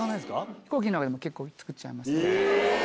飛行機の中でも、結構、作っちゃいますね。